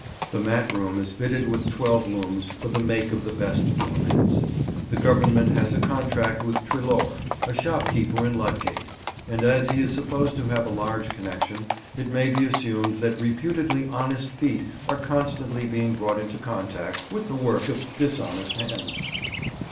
The mat room is fitted with twelve looms for the make of the best doormats. The Government has a contract with Treloar, a shopkeeper in Ludgate; and as he is supposed to have a large connection, it may be assumed that reputedly honest feet are constantly being brought into contact with the work of dishonest hands.